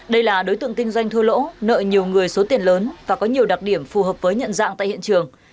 đây là đối tượng kinh doanh thua lỗ nợ nhiều người số tiền lớn và có nhiều đặc điểm phù hợp với nhận dạng tại hiện trường